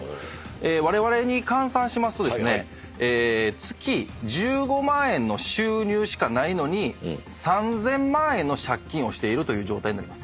われわれに換算しますとですね月１５万円の収入しかないのに３，０００万円の借金をしているという状態になります。